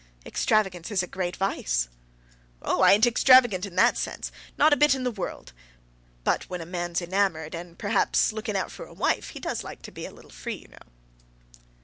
"Extravagance is a great vice." "Oh, I ain't extravagant in that sense; not a bit in the world. But when a man's enamoured, and perhaps looking out for a wife, he does like to be a little free, you know."